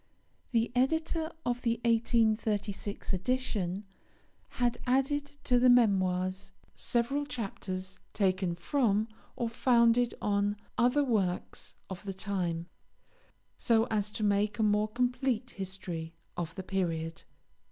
The Editor of the 1836 edition had added to the Memoirs several chapters taken from or founded on other works of the time, so as to make a more complete history of the period.